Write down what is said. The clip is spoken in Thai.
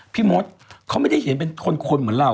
มดเขาไม่ได้เห็นเป็นคนเหมือนเรา